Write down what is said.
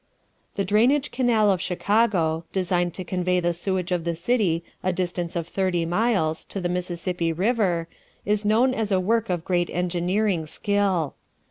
The drainage canal of Chicago, designed to convey the sewage of the city a distance of thirty miles, to the Mississippi River, is known as a work of great engineering skill.